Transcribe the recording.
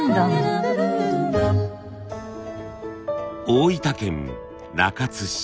大分県中津市。